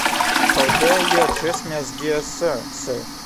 How dare you address me as 'dear Sir', Sir?